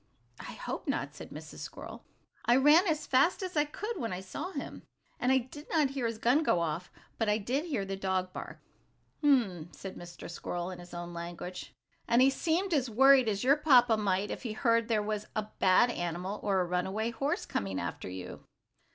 "I hope not," said Mrs. Squirrel. "I ran as fast as I could when I saw him, and I did not hear his gun go off, but I did hear the dog bark." "Hum!" said Mr. Squirrel, in his own language, and he seemed as worried as your papa might be if he heard there was a bad animal, or a runaway horse, coming after you.